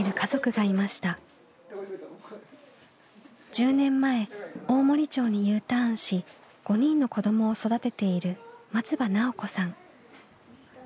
１０年前大森町にＵターンし５人の子どもを育てている松場奈緒子さん。